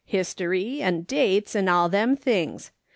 History and dates and all them things.